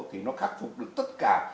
thì nó khắc phục được tất cả